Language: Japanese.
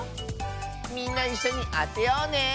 みんないっしょにあてようね。